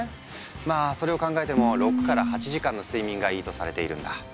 まあそれを考えても６８時間の睡眠がいいとされているんだ。